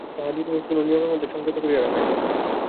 তাহাদিগকে কোনো নিয়মের মধ্যে সংযত করিয়া রাখাই দায়।